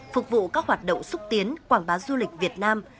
phục vụ các hoạt động xúc tiến quảng bá du lịch việt nam